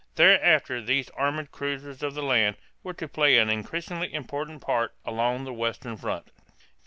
Thereafter these armored cruisers of the land were to play an increasingly important part along the western front.